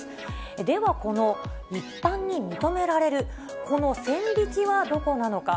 ではこの一般に認められる、この線引きは、どこなのか。